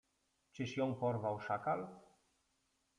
Czyż ją porwał szakal?